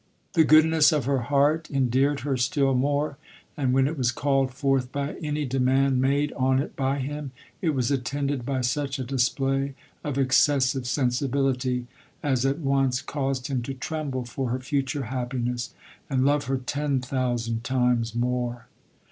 The goodness of her heart en deared her still more; and when it was called forth by any demand made on it by him, it was attended by such a display of excessive sensi bility, as at once caused him to tremble for her future happiness, and love her ten thousand times more.